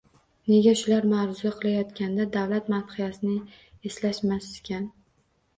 Nega shular ma’ruza qilayotganda davlat madhiyasini eslashmasikin?